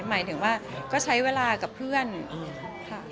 หมายถึงว่าก็ใช้เวลากับเพื่อนค่ะ